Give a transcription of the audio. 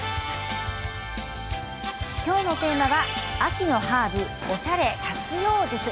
きょうのテーマは秋のハーブおしゃれ活用術。